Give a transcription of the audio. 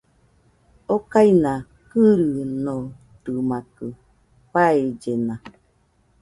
Okaina kɨrɨnotɨmakɨ, faellena